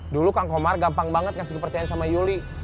dulu kang komar gampang banget ngasih kepercayaan sama yuli